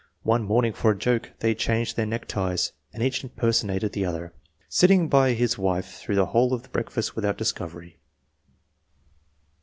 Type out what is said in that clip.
One morning, for a joke, they changed their neckties, and each personated the other, sitting by his wife through the whole of the breakfast without discovery.